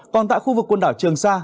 còn tại khu vực quân đảo trường sa